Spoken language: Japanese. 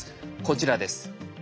こちらです。